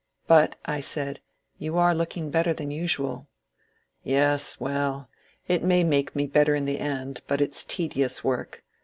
"But," I said, "you are looking better than usual." " Yes — well — it may make me better in the end, but it 's tedious work.